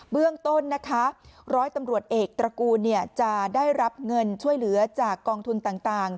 เรื่องต้นนะคะร้อยตำรวจเอกตระกูลจะได้รับเงินช่วยเหลือจากกองทุนต่าง